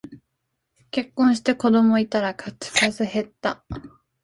結婚して子供いたら口数へった